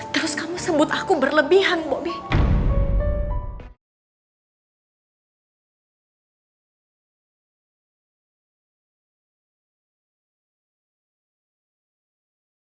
terus kamu sebut aku berlebihan bobi